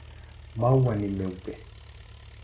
Maua ni meupe.